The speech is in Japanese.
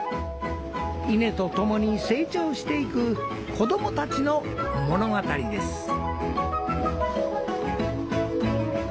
稲とともに成長していく子供たちの物語です。